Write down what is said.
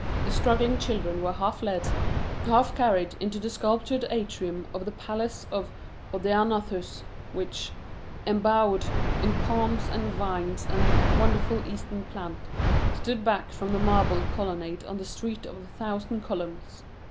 The struggling children were half led, half carried into the sculptured atrium(1) of the palace of Odaenathus which, embowered in palms and vines and wonderful Eastern plants, stood back from the marble colonnade on the Street of the Thousand Columns.